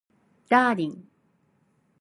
ダーリン